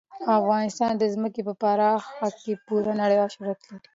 افغانستان د ځمکه په برخه کې پوره نړیوال شهرت لري.